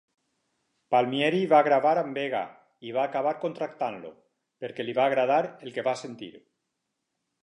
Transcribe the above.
Palmieri va gravar amb Vega i va acabar contractant-lo, perquè li va agradar el que va sentir.